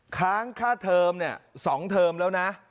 ค้างค่าเทอม๒เทอมแล้วนะ